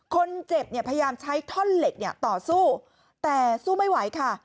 คนเจ็บเนี่ยพยายามใช้ท่อนเหล็กเนี่ยต่อสู้แต่สู้ไม่ไหวค่ะ